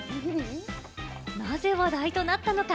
なぜ話題となったのか？